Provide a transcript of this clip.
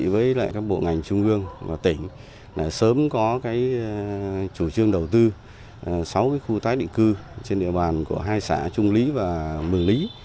với lại các bộ ngành trung ương và tỉnh sớm có chủ trương đầu tư sáu khu tái định cư trên địa bàn của hai xã trung lý và mường lý